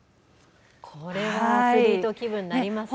これはアスリート気分になります。